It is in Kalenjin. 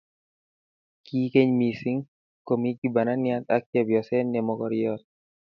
Ki keny mising, kokimii kibananiat ak chepyoset ne mokoriot